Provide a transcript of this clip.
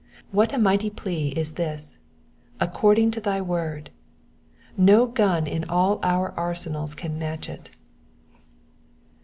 What a mighty plea is this —according to thy word." No gun in all our arsenals can match it.